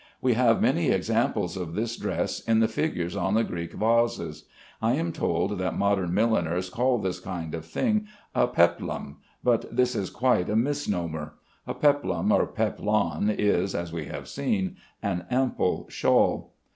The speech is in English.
We have many examples of this dress in the figures on the Greek vases. I am told that modern milliners call this kind of thing a peplum, but this is quite a misnomer. A peplum or peplon is, as we have seen, an ample shawl.